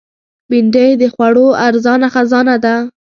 بېنډۍ د خوړو ارزانه خزانه ده